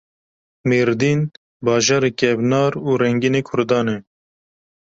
Mêrdîn bajarê kevnar û rengîn ê Kurdan e.